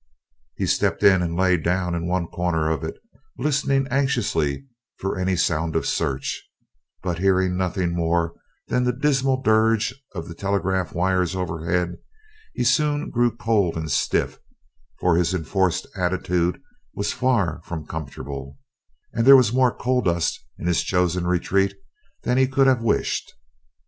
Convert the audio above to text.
He stepped in and lay down in one corner of it, listening anxiously for any sound of search, but hearing nothing more than the dismal dirge of the telegraph wires overhead; he soon grew cold and stiff, for his enforced attitude was far from comfortable, and there was more coal dust in his chosen retreat than he could have wished.